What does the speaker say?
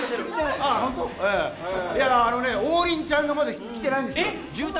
王林ちゃんが、まだ来てないんです。